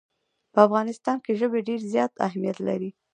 په افغانستان کې ژبې ډېر زیات اهمیت لري.